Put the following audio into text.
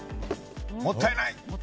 もったいない！